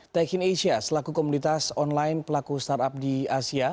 tech in asia selaku komunitas online pelaku startup di asia